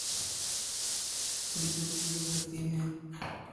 مریضوں کی ہو سکتی ہیں